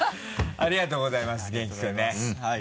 ありがとうございますはい。